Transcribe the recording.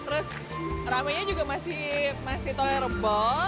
terus rame nya juga masih tolerable